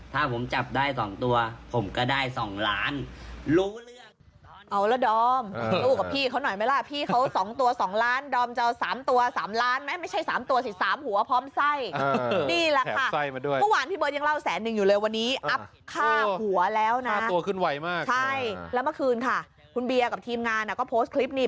ถ้าผมจับได้๒ตัวผมก็ได้๒ล้านลูก